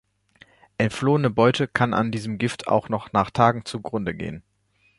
Entflohene Beute kann an diesem Gift auch noch nach Tagen zugrunde gehen.